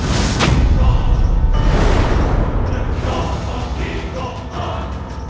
apa yang kamu lakukan adalah sesuatu yang tidak benar